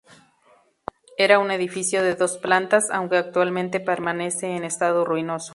Era un edificio de dos plantas, aunque actualmente permanece en estado ruinoso.